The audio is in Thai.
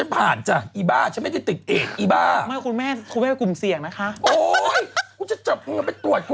อ๋อไปบริจาคเลือด